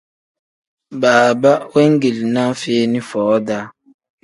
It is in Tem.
Baaba wengilinaa feeni foo-daa.